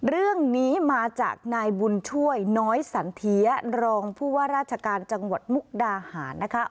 เรื่องนี้มาจากนายบุญช่วยน้อยสันเทียรองผู้ว่าราชการจังหวัดมุกดาหารนะคะ